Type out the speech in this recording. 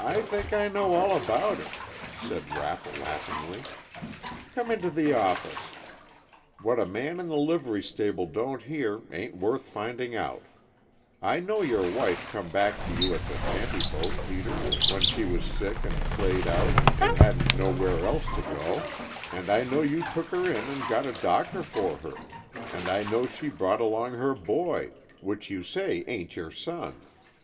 "I think I know all about it," said Rapp laughingly. "Come into the office. What a man in the livery stable don't hear ain't worth finding out. I know your wife come back to you at the shanty boat, Peter, when she was sick and played out and hadn't nowhere else to go, and I know you took her in and got a doctor for her, and I know she brought along her boy, which you say ain't your son.